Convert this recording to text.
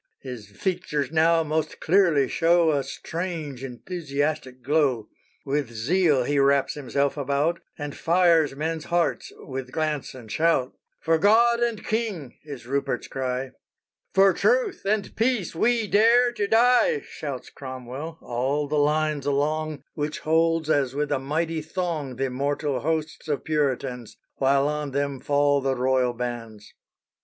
_" His features now most clearly show A strange, enthusiastic glow. With zeal he wraps himself about, And fires men's hearts with glance and shout. "For God and king," is Rupert's cry. "For truth and peace we dare to die!" Shouts Cromwell, all the lines along, Which holds as with a mighty thong Th' immortal hosts of Puritans, While on them fall the Royal bans.